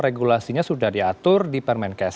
regulasinya sudah diatur di permenkes